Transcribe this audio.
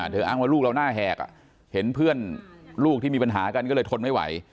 อ้างว่าลูกเราหน้าแหกเห็นเพื่อนลูกที่มีปัญหากันก็เลยทนไม่ไหว